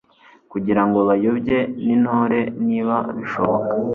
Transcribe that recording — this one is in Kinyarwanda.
kugira ngo bayobye n'intore niba bishoboka.